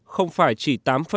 không phải chỉ tám ba mươi sáu